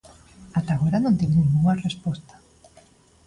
Ata agora non tiven ningunha resposta.